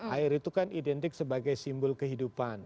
air itu kan identik sebagai simbol kehidupan